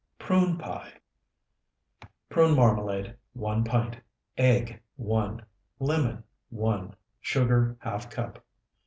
PRUNE PIE Prune, marmalade, 1 pint. Egg, 1. Lemon, 1. Sugar, ½ cup.